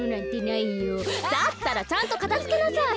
だったらちゃんとかたづけなさい！